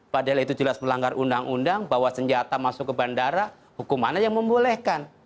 padahal itu jelas melanggar undang undang bawa senjata masuk ke bandara hukum mana yang membolehkan